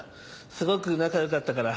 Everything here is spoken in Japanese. すごく仲良かったから。